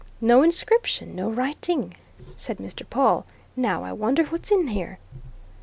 "No inscription, no writing," said Mr. Pawle. "Now, I wonder what's in here?"